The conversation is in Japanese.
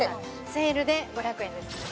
セールで５００円です